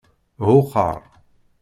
Ɛuqqer.